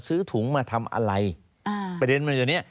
ซื้อถุงมาทำอะไรประเด็นมันอยู่เนี้ย